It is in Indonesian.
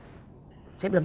bukan hanya ginanjar